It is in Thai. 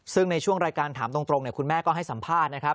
ซึ่งในช่วงรายการถามตรงคุณแม่ก็ให้สัมภาษณ์นะครับ